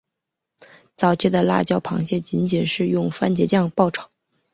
早期的辣椒螃蟹仅仅是用番茄酱爆炒。